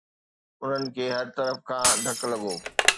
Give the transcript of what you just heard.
انهن کي هر طرف کان ڌڪ لڳو.